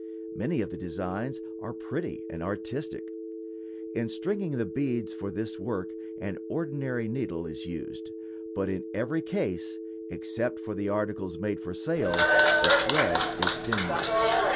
Many of the designs are pretty and artistic. In stringing the beads for this work an ordinary needle is used; but in every case, except for articles made for sale, the thread is sinew.